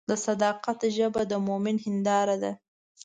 د صداقت ژبه د مؤمن هنداره ده.